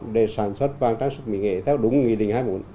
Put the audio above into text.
để sản xuất vàng trang sức mỹ nghệ theo đúng nghị định hai mươi bốn